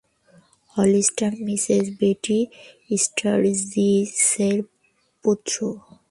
হলিস্টার Mrs Betty স্টার্জিসের পুত্র।